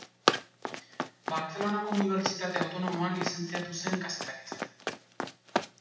Bartzelonako Unibertsitate Autonomoan lizentziatu zen Kazetaritzan.